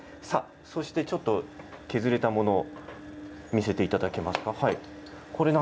そして、ちょっと削れたものを見せていただけますか？